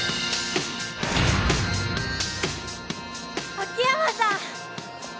秋山さん！